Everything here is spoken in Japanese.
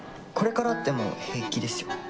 これからでも平気ですよ。